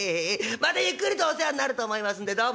またゆっくりとお世話んなると思いますんでどうも。